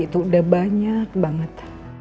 itu udah banyak banget